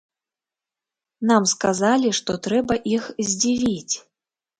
Нам сказалі, што трэба іх здзівіць.